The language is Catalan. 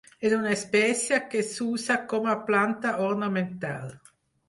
És una espècie que s'usa com a planta ornamental.